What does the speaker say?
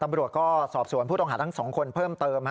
ตำรวจก็สอบสวนผู้ต้องหาทั้ง๒คนเพิ่มเติม